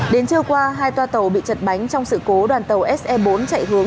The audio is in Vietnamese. đến trưa qua hai toa tàu bị chật bánh trong sự cố đoàn tàu se bốn chạy hướng